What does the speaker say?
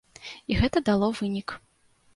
І гэта дало вынік.